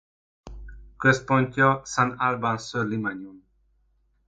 Központja Saint-Alban-sur-Limagnole.